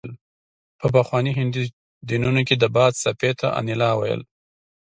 په پخواني هندي دینونو کې د باد څپې ته انیلا ویل